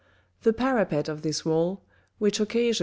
The parapet of this wall, which occasioned M.